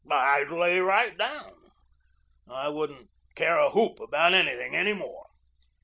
I'd lay right down. I wouldn't care a whoop about anything any more.